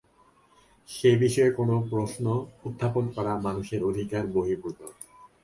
সে-বিষয়ে কোন প্রশ্ন উত্থাপন করা মানুষের অধিকার-বহির্ভূত।